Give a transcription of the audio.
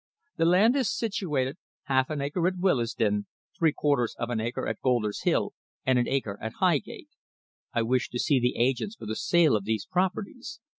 The land is situated, half an acre at Willesden, three quarters of an acre at Golder's Hill, and an acre at Highgate. I wish you to see the agents for the sale of these properties.